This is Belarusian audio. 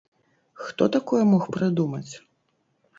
Хто такое мог прыдумаць?